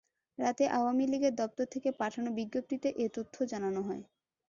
রাতে আওয়ামী লীগের দপ্তর থেকে পাঠানো বিজ্ঞপ্তিতে এ তথ্য জানানো হয়।